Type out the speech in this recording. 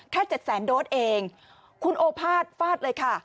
เจ็ดแสนโดสเองคุณโอภาษฟาดเลยค่ะ